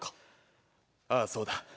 ああそうだ。